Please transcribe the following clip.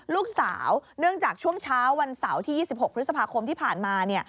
เนื่องจากช่วงเช้าวันเสาร์ที่๒๖พฤษภาคมที่ผ่านมา